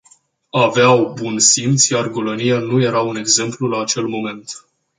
Aveau bun simț, iar golănia nu era un exemplu la acel moment.